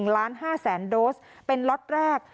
๑ล้าน๕แสนโดสเป็นล็อตแรก